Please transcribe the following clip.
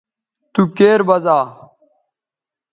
تو کیر بزا